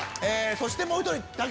そしてもう１人。